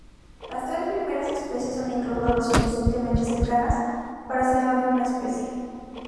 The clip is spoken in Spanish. Las tres primeras especies son incluso lo suficientemente cercanas para ser la misma especie.